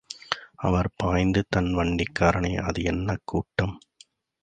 அவர் பயந்து, தன் வண்டிக்காரனை, அது என்ன கூட்டம்?